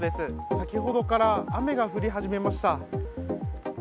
先ほどから雨が降り始めました。